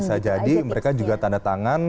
bisa jadi mereka juga tanda tangan